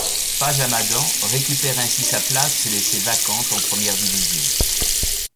Pas Hamadan récupère ainsi sa place laissée vacante en première division.